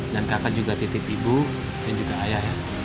dan kakak juga titip ibu dan juga ayah ya